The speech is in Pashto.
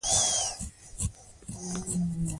لوستې ښځې تر نالوستو ښځو ډېر فرصتونه لري.